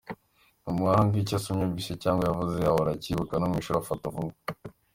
Ni umuhanga, icyo yasomye, yumvise cyangwa yavuze ahora acyibuka, no mu ishuri afata vuba.